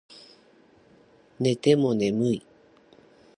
寝ても眠い